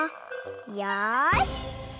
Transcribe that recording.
よし。